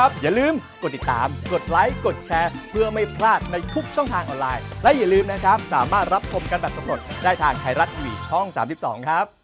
สวัสดีครับสวัสดีครับ